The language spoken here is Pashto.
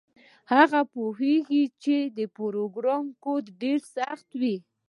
هغه پوهیږي چې د پروګرام کوډ ډیر سخت وي